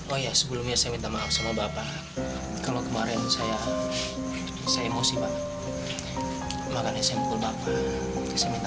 oh ya sebelumnya saya minta maaf sama bapak kalau kemarin saya saya emosi banget makan smk baku saya minta